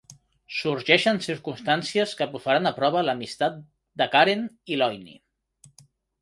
Sorgeixen circumstàncies que posaran a prova l'amistat de Karen i Lonnie.